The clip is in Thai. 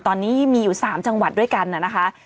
ตอนนี้มีอยู่๓จังหวัดด้วยกันนะคะ